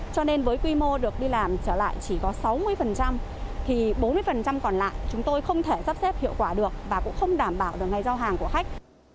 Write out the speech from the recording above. cho nên với quy mô được đi làm trở lại chỉ có sáu mươi thì bốn mươi còn lại chúng tôi không thể sắp xếp hiệu quả được và cũng không đảm bảo được ngày giao hàng của khách